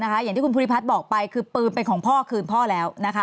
อย่างที่คุณภูริพัฒน์บอกไปคือปืนเป็นของพ่อคืนพ่อแล้วนะคะ